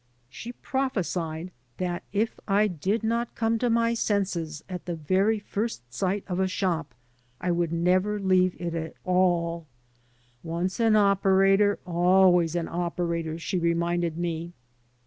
She prophesied that if I did not come 132 THE ETHICS OF THE BAR to my senses at the very first sight of a shop, I would never leave it at all. "Once an operator always an operator," she reminded me.